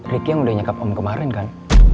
ricky yang udah nyekap om kemarin kan